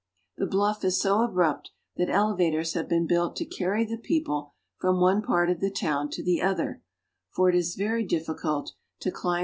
The bluff is so abrupt that ele vators have been built to carry the people from one part of the town to the other, for it is very difficult to climb the i.